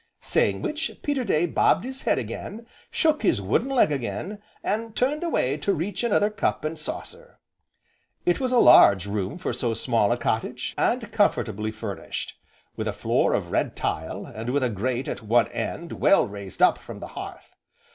Saying which, Peterday bobbed his head again, shook his wooden leg again, and turned away to reach another cup and saucer. It was a large room for so small a cottage, and comfortably furnished, with a floor of red tile, and with a grate at one end well raised up from the hearth.